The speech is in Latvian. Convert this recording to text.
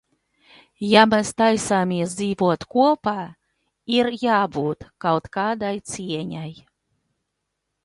Ja mēs taisāmies dzīvot kopā ir jābūt kaut kādai cieņai!